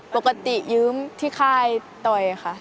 ปกติยืมที่ค่ายต่อยค่ะ